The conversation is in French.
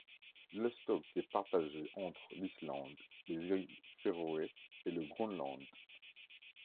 Le stock est partagé entre l'Islande, les Îles Féroé et le Groenland.